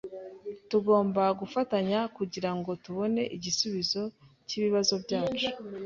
Tugomba gufatanya kugirango tubone igisubizo cyibibazo byacu.